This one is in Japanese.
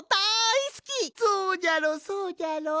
そうじゃろそうじゃろ？